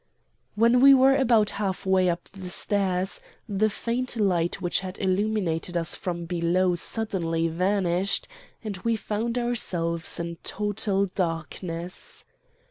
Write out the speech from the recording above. "When we were about half way up the stairs the faint light which had illuminated us from below suddenly vanished, and we found ourselves in total darkness.